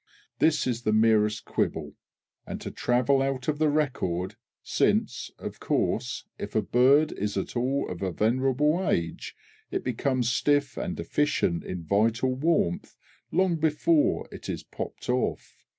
This is the merest quibble, and to travel out of the record, since, of course, if a bird is at all of a venerable age, it becomes stiff and deficient in vital warmth long before it is popped off!